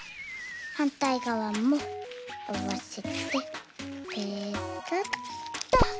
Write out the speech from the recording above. はんたいがわもあわせてペタッと。